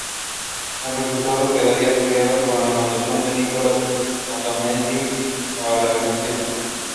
The production company Mammoth Screen approached Christopher Hampton to write the screenplay.